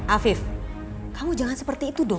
afif kamu jangan seperti itu dong